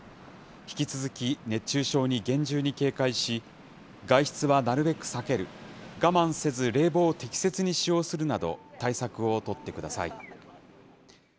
引き続き熱中症に厳重に警戒し、外出はなるべく避ける、我慢せず冷房を適切に使用するなど、対策を取ってください。